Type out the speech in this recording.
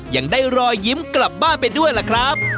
ยังได้รอยยิ้มกลับบ้านไปด้วยล่ะครับ